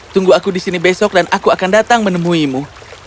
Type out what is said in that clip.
tunggu aku disini besok dan aku akan datang menemuimu